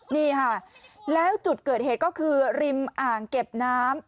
นี่ค่ะแล้วจุดเกิดเหตุก็คือริมอ่างเก็บน้ำ